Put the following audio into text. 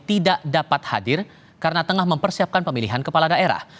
tidak dapat hadir karena tengah mempersiapkan pemilihan kepala daerah